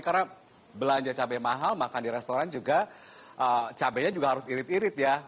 karena belanja cabai mahal makan di restoran juga cabainya juga harus irit irit ya